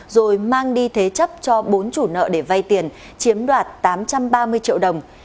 rồi mang đi thế chấp cho bốn chủ nợ để vay tiền chiếm đoạt tám trăm ba mươi triệu đồng